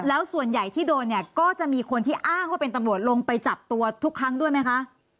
แล้วส่วนใหญ่ที่โดนเนี่ยก็จะมีคนที่อ้างว่าเป็นตำรวจลงไปจับตัวทุกครั้งด้วยไหมคะ